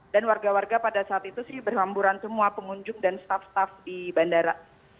dan warga warga pada saat itu sih berhamburan semua pengunjung dan staff staff di bandara